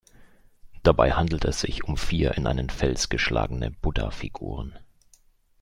Dabei handelt es sich um vier in einen Fels geschlagene Buddha-Figuren.